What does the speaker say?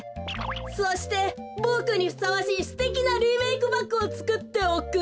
そしてボクにふさわしいすてきなリメークバッグをつくっておくれ。